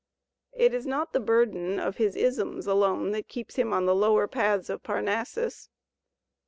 It is ^ not the burden of his isms alone that keeps him on the lower paths of Parnassus.